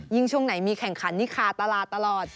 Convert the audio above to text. ยิ่งช่วงไหนมีแข่งขันนิคาตลาดตลอด